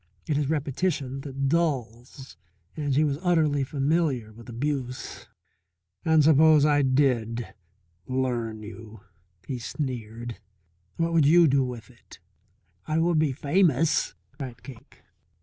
It is repetition that dulls, and she was utterly familiar with abuse. "And suppose I did 'learn' you," he sneered, "what would you do with it?" "I would be famous," cried Cake.